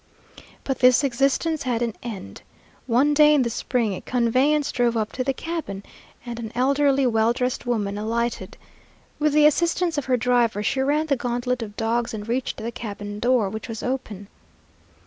But this existence had an end. One day in the spring a conveyance drove up to the cabin, and an elderly, well dressed woman alighted. With the assistance of her driver she ran the gauntlet of dogs and reached the cabin door, which was open.